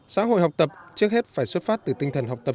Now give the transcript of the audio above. xã hội học tập trước hết phải xuất phát từ tinh thần học tập